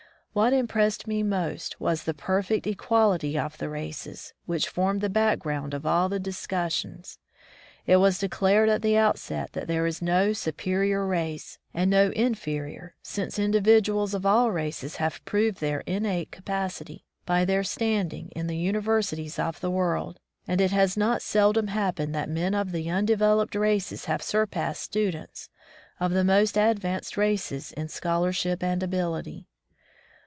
What impressed me most was the perfect equality of the races, which formed the background of all the dis cussions. It was declared at the outset that there is no superior race, and no in ferior, since individuals of all races have proved their innate capacity by their stand ing in the universities of the world, and it has not seldom happened that men of the undeveloped races have siupassed students of the most advanced races in scholarship and ability.